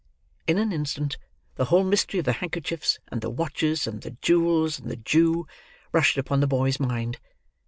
In an instant the whole mystery of the hankerchiefs, and the watches, and the jewels, and the Jew, rushed upon the boy's mind.